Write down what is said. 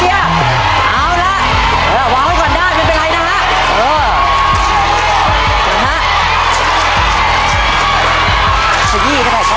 เอาล่ะวางไว้ก่อนด้านยังเป็นไรนะฮะ